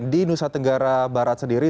di nusa tenggara barat sendiri